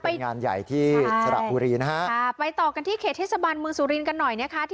บนช้างใหญ่เหมือนกันนะ